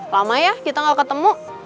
lama ya kita gak ketemu